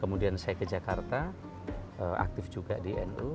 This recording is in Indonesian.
kemudian saya ke jakarta aktif juga di nu